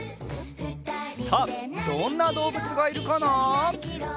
さあどんなどうぶつがいるかな？